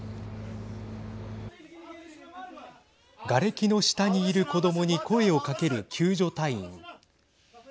がれきの下にいる子どもに声をかける救助隊員。